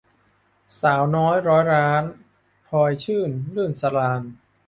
สาวน้อยร้อยล้าน - พลอยชื่น-รื่นสราญ